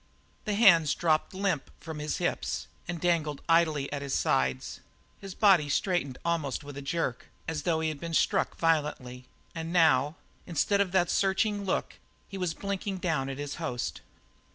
The hands dropped limp from his hips and dangled idly at his sides; his body straightened almost with a jerk, as though he had been struck violently, and now, instead of that searching look, he was blinking down at his host.